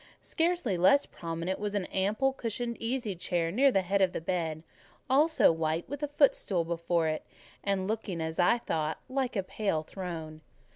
Scarcely less prominent was an ample cushioned easy chair near the head of the bed, also white, with a footstool before it; and looking, as I thought, like a pale throne.